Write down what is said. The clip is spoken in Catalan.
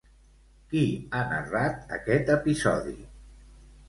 Qui ha narrat aquest episodi?